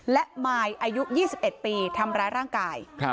และมายอายุ๒๑ปีทำร้ายร่างกาย